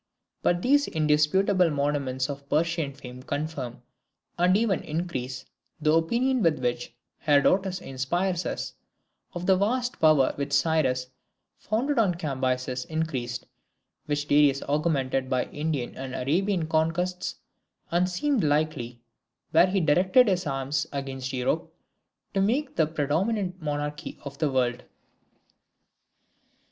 But these indisputable monuments of Persian fame confirm, and even increase, the opinion with which Herodotus inspires us, of the vast power which Cyrus founded and Cambyses increased; which Darius augmented by Indian and Arabian conquests, and seemed likely, when he directed his arms against Europe, to make the predominant monarchy of the world.